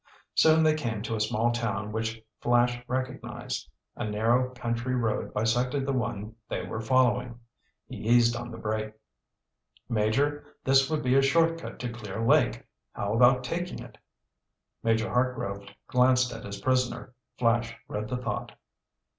Soon they came to a small town which Flash recognized. A narrow country road bisected the one they were following. He eased on the brake. "Major, this would be a short cut to Clear Lake! How about taking it?" Major Hartgrove glanced at his prisoner. Flash read the thought.